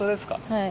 はい。